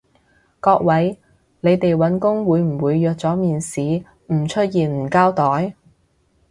各位，你哋搵工會唔會約咗面試唔出現唔交代？